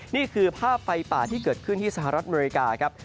นี่คือภาพไฟป่าที่เกิดขึ้นที่สหรัฐอเมริกาครับ